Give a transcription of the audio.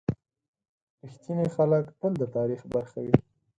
• رښتیني خلک تل د تاریخ برخه وي.